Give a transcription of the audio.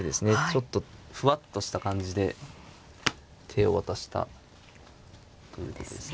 ちょっとふわっとした感じで手を渡したという手ですね。